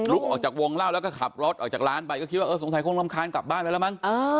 ออกจากวงเล่าแล้วก็ขับรถออกจากร้านไปก็คิดว่าเออสงสัยคงรำคาญกลับบ้านไปแล้วมั้ง